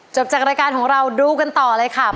จากรายการของเราดูกันต่อเลยค่ะ